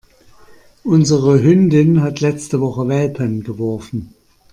Unsere Hündin hat letzte Woche Welpen geworfen.